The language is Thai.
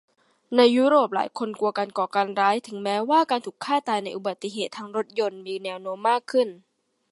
ในยุโรปหลายคนกลัวการก่อการร้ายถึงแม้ว่าการถูกฆ่าตายในอุบัติเหตุทางรถยนต์มีแนวโน้มมากขึ้น